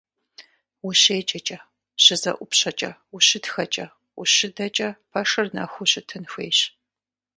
УщеджэкӀэ, щызэӀупщэкӀэ, ущытхэкӀэ, ущыдэкӀэ пэшыр нэхуу щытын хуейщ.